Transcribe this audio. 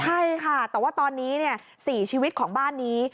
ใช่ค่ะแต่ว่าตอนนี้๔ชีวิตของบ้านนี้